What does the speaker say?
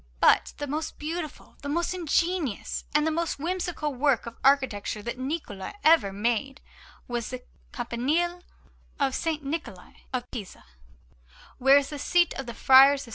But the most beautiful, the most ingenious, and the most whimsical work of architecture that Niccola ever made was the Campanile of S. Niccola in Pisa, where is the seat of the Friars of S.